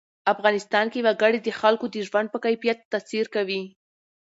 افغانستان کې وګړي د خلکو د ژوند په کیفیت تاثیر کوي.